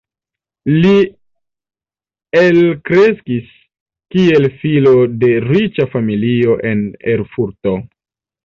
Li elkreskis kiel filo de riĉa familio en Erfurto.